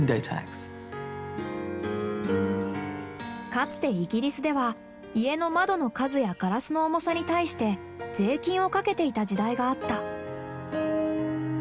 かつてイギリスでは家の窓の数やガラスの重さに対して税金をかけていた時代があった。